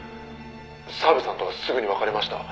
「澤部さんとはすぐに別れました」